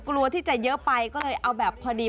กลัวที่จะเยอะไปก็เลยเอาแบบพอดี